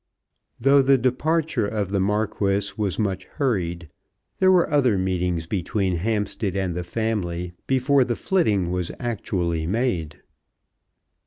Though the departure of the Marquis was much hurried, there were other meetings between Hampstead and the family before the flitting was actually made.